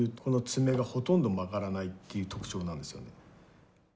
この爪がほとんど曲がらないっていう特徴なんですよね。